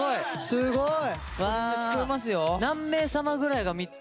すごい。